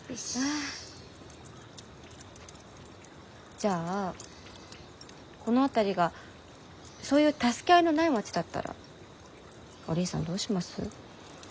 じゃあこの辺りがそういう助け合いのない町だったらおりんさんどうします？